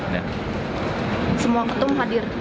semua ketua umum hadir